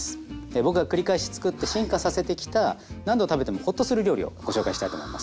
僕が繰り返しつくって進化させてきた何度食べてもほっとする料理をご紹介したいと思います。